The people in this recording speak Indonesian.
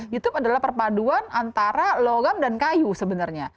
youtube adalah perpaduan antara logam dan kayu sebenarnya